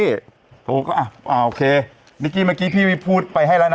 สวัสดีค่ะนิกกี้โอเคนิกกี้เมื่อกี้พี่พูดไปให้แล้วนะ